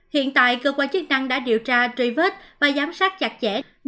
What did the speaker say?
hiện tại cơ quan chức năng đã điều tra truy vết và giám sát chặt chẽ